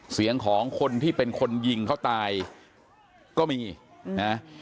เสียงของคนที่เป็นคนยิงเขาตายก็มีนะ